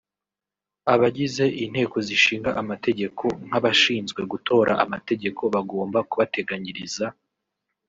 …) Abagize inteko zishinga amategeko nk’abashinzwe gutora amategeko bagomba kubateganyiriza